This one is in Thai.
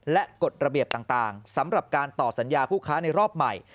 และกฎระเบียบต่างสำหรับการต่อสัญญาผู้ค้าในรอบใหม่